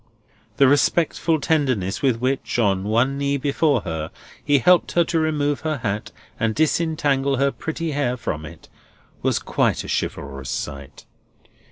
The respectful tenderness with which, on one knee before her, he helped her to remove her hat, and disentangle her pretty hair from it, was quite a chivalrous sight.